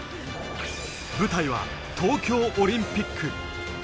舞台は東京オリンピック。